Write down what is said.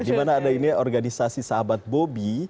dimana ada ini organisasi sahabat bobi